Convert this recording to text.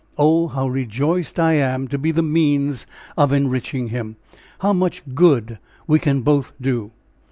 Oh, how rejoiced I am to be the means of enriching him! How much good we can both do!"